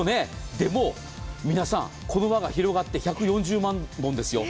でも、皆さんこの輪が広がって１４０万本ですよ。